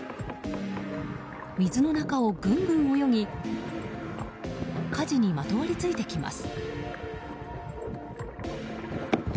水の中をぐんぐん泳ぎかじにまとわりついてきます。